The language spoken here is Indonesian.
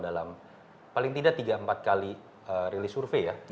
dalam paling tidak tiga empat kali rilis survei ya